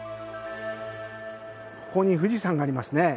ここに富士山がありますね。